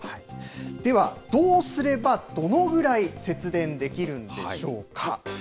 では、どうすればどのぐらい節電できるんでしょうか。